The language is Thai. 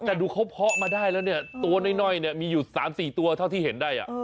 แต่ดูเขาเพาะมาได้แล้วเนี่ยตัวน้อยมีอยู่๓๔ตัวเท่าที่เห็นได้